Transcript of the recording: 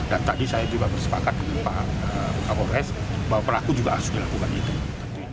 dan tadi saya juga bersepakat dengan pak polres bahwa pelaku juga harus dilakukan itu